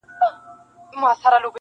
ته خبريې دلته ښخ ټول انسانان دي,